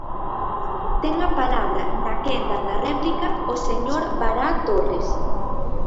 Ten a palabra na quenda da réplica o señor Bará Torres.